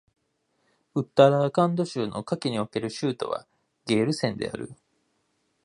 ウッタラーカンド州の夏季における州都はゲールセーンである